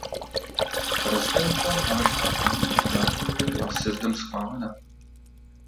Prezidentem navržená kandidatura byla sjezdem schválena.